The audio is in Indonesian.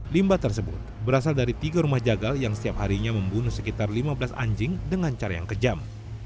limbah tersebut berasal dari tiga rumah jagal yang setiap harinya membunuh sekitar lima belas anjing dengan cara yang kejam